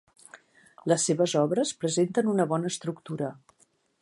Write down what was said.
Les seves obres presenten una bona estructura.